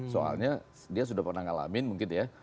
soalnya dia sudah pernah ngalamin mungkin ya